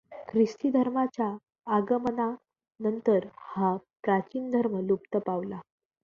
ख्रिस्ती धर्माच्या आगमना नंतर हा प्राचीन धर्म लुप्त पावला.